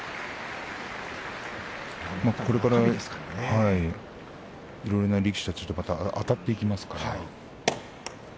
これからいろいろな力士たちとあたっていきますから。